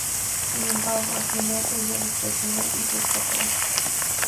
Sin embargo al final ella los traicionó y se escapó.